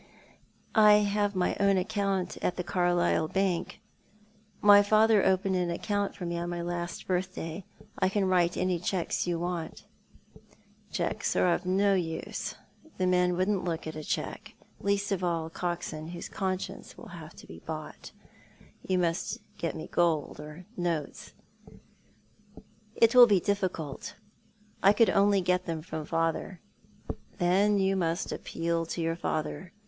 " I have my own account at the Carlisle Bank. My father opened an account for me on my last birthday. I can write any cheques you want." " Cheques are no use. The men wouldn't look at a cheque — least of all Coxon, whose conscience will have to be bought. You must get me gold or notes." " It will be dithcult. I could only get them from father." "Then you must appeal to your father.